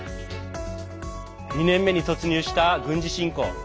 ２年目に突入した軍事侵攻。